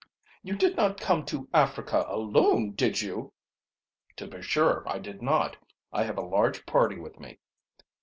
"You did not come to Africa alone, did you?" "To be sure I did not. I have a large party with me."